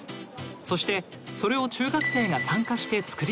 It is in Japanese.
そしてそれを中学生が参加して作り出すこと。